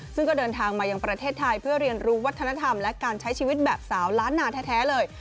ซึ่งก็เดินทางมายังประเทศไทยเพื่อเรียนรู้วัฒนธรรมและการใช้ชีวิตแบบสาวล้านนาแท้เลย